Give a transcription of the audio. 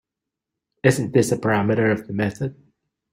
Isn’t this a parameter of the method?